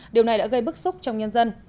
điều này đã gây bức xúc trong nhân dân